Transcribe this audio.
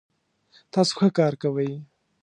تاسو ښه کار کوئ